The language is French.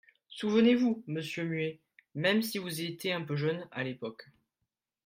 Souvenez-vous, monsieur Muet, même si vous étiez un peu jeune, à l’époque.